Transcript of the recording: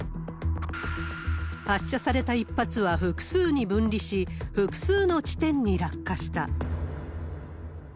発射された１発は複数に分離し、複数の地点に落下した。